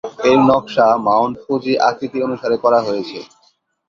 এর নকশা Mount Fuji আকৃতি অনুসারে করা হয়েছে।